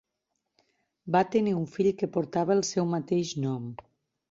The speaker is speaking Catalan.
Va tenir un fill que portava el seu mateix nom.